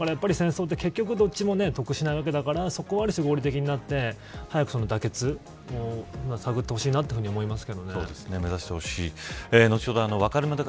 だから戦争ってどっちも得しないわけだからそこは合理的になって早く妥結を探ってほしいなと思います。